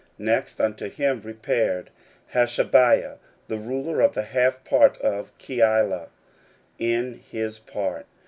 Next unto him repaired Hashabiah, the ruler of the half part of Keilah, in his part.